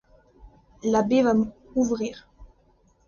L'abbé va ouvrir.